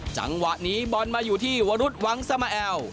จังหวะนี้บอลมาอยู่ที่วรุษวังสมาแอล